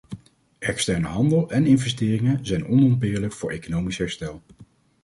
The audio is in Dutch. Externe handel en investeringen zijn onontbeerlijk voor economisch herstel.